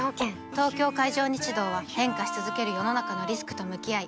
東京海上日動は変化し続ける世の中のリスクと向き合い